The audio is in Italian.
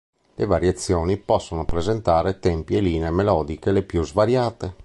Le variazioni possono presentare tempi e linee melodiche le più svariate.